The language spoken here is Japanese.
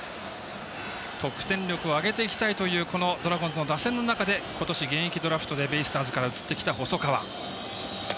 得点力を上げていきたいというドラゴンズの打線の中で今年現役ドラフトでベイスターズから移ってきた細川。